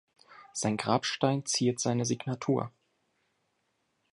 Sein Grabstein ziert seine Signatur.